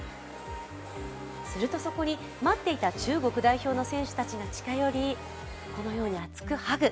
すると、そこに待っていた中国代表の選手たちが近寄り、このように熱くハグ。